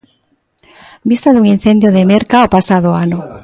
Vista dun incendio da Merca o pasado ano.